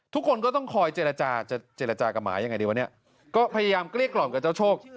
ทุกคนก็ต้องคอยเจรจาจะเจรจากับหมายังไงดีวะเนี่ยก็พยายามเกลี้ยกล่อมกับเจ้าโชค